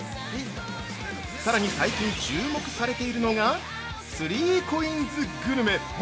さらに最近、注目されているのが３ＣＯＩＮＳグルメ！